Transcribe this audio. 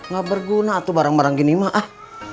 gak berguna tuh barang barang gini mah